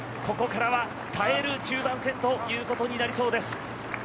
ここからは耐える中盤戦ということになりそうです。